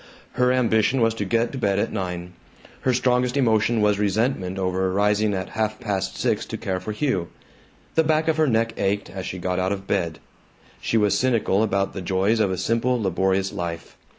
Her ambition was to get to bed at nine; her strongest emotion was resentment over rising at half past six to care for Hugh. The back of her neck ached as she got out of bed. She was cynical about the joys of a simple laborious life.